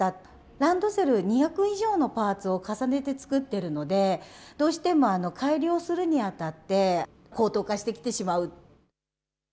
ランドセル２００以上のパーツを重ねて作っているので、どうしても改良するにあたって、高騰化してきてしまう。